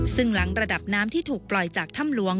ซึ่งหลังระดับน้ำที่ถูกปล่อยจากถ้ำหลวง